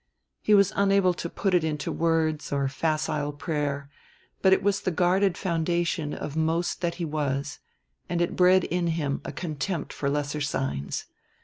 He was unable to put it into words or facile prayer but it was the guarded foundation of most that he was, and it bred in him a contempt for lesser signs.